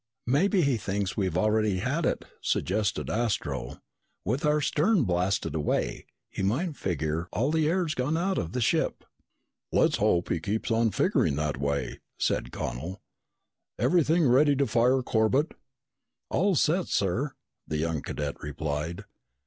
"Maybe he thinks we've already had it," suggested Astro. "With our stern blasted away, he might figure all the air's gone out of the ship." "Let's hope he keeps on figuring that way," said Connel. "Everything ready to fire, Corbett?" "All set, sir," the young cadet replied.